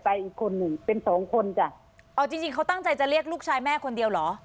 อีกคนหนึ่งเป็นสองคนจ้ะเอาจริงจริงเขาตั้งใจจะเรียกลูกชายแม่คนเดียวเหรอ